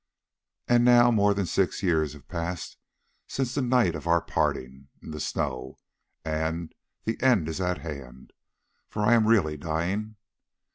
"And now more than six years have passed since the night of our parting in the snow, and the end is at hand, for I am really dying.